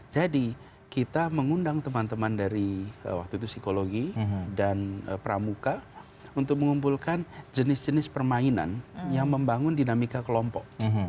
jadi kita mengundang teman teman dari waktu itu psikologi dan pramuka untuk mengumpulkan jenis jenis permainan yang membangun dinamika kelompok